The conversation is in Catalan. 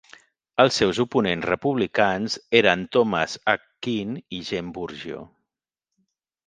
Els seus oponents republicans eren Thomas H. Kean i Jane Burgio.